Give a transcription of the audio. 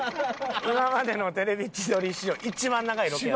今までの『テレビ千鳥』史上一番長いロケ。